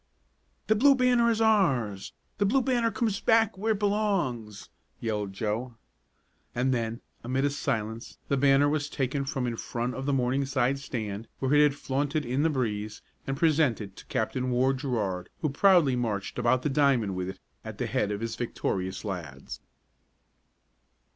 "The Blue Banner is ours! The Blue Banner comes back where it belongs!" yelled Joe, and then, amid a silence, the banner was taken from in front of the Morningside stand, where it had flaunted in the breeze, and presented to Captain Ward Gerard, who proudly marched about the diamond with it at the head of his victorious lads.